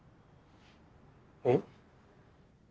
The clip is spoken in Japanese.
えっ？